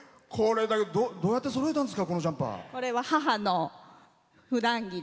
どうやってそろえたんですか？